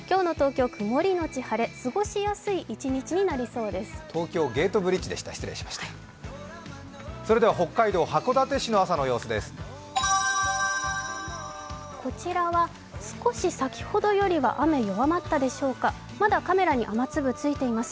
今日の東京曇りのち晴れ、過ごしやすい一日になりそうです。